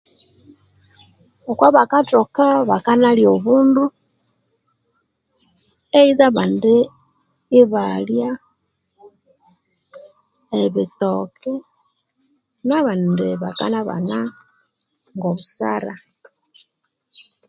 Okwabakathoka bakanalya obundu, either abandi ibalya ebitoke nabandi bakanabana ngo'obusara.